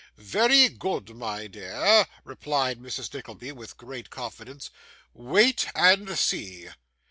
'Very good, my dear,' replied Mrs. Nickleby, with great confidence. 'Wait and see.